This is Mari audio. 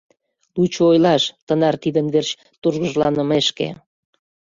— Лучо ойлаш, тынар тидын верч тургыжланымешке.